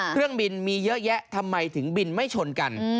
เครื่องบินมีเยอะแยะทำไมถึงบินไม่ชนกัน